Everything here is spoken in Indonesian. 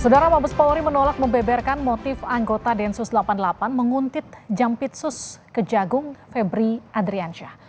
saudara mabes polri menolak membeberkan motif anggota densus delapan puluh delapan menguntit jampitsus kejagung febri adriansyah